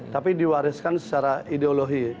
tapi diwariskan secara ideologi